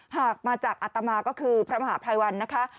หากมาจากอัตมาก็คือพระมหาภัยวันนะคะ